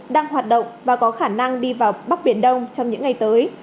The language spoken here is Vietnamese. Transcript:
đang hoạt động và có khả năng đi vào bắc biển đông trong những ngày tới